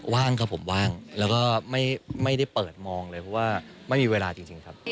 ว่างครับผมว่างแล้วก็ไม่ได้เปิดมองเลยเพราะว่าไม่มีเวลาจริงครับ